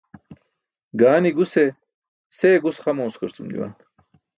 Gaani guse see gus xa mooskarcum juwan.